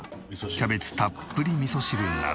キャベツたっぷり味噌汁など。